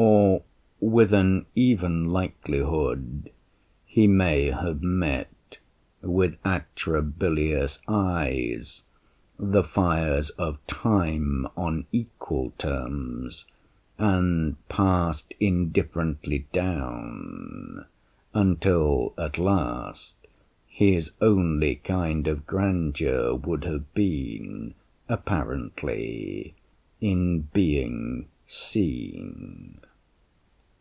Or with an even likelihood, He may have met with atrabilious eyes The fires of time on equal terms and passed Indifferently down, until at last His only kind of grandeur would have been, Apparently, in being seen.